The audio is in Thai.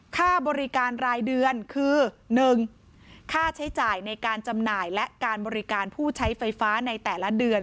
ค่าบริการรายเดือนคือ๑ค่าใช้จ่ายในการจำหน่ายและการบริการผู้ใช้ไฟฟ้าในแต่ละเดือน